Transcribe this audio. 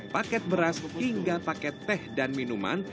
paket beras hingga paket teh dan minuman